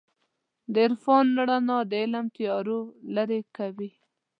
د عرفان رڼا د فکر تیارو لېرې کوي.